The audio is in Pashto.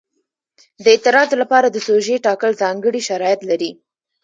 د اعتراض لپاره د سوژې ټاکل ځانګړي شرایط لري.